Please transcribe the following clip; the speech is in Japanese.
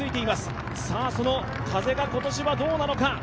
風が今年はどうなのか。